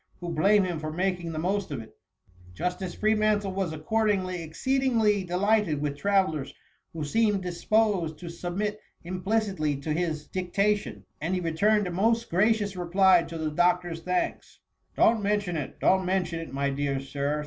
who blame him for making the most of it. Jus« THE MUMMY. SOi tice Freemantle was accordingly exceedingly delighted with travellers who seemed disposed to submit implicitly to his dictation; and he returned a most gracious reply to the doctor's thanks. " Don't mention it ! donH mention it, my dear Sir